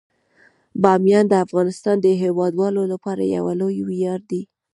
بامیان د افغانستان د هیوادوالو لپاره یو لوی ویاړ دی.